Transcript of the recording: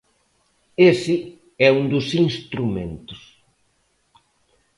Ese é un dos instrumentos.